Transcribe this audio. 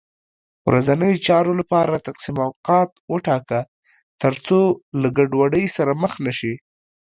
ورځنیو چارو لپاره تقسیم اوقات وټاکه، تر څو له ګډوډۍ سره مخ نه شې